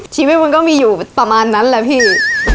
ชีวิตมันก็มีอยู่ประมาณนั้นแหละพี่